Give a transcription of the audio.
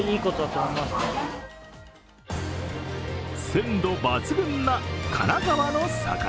鮮度抜群な金沢の魚。